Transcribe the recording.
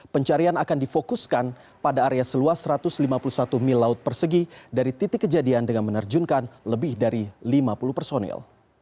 pencarian akan difokuskan pada area seluas satu ratus lima puluh satu mil laut persegi dari titik kejadian dengan menerjunkan lebih dari lima puluh personil